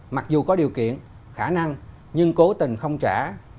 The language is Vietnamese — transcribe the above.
mặc dù có điều kiện khả năng nhưng cố tình không trả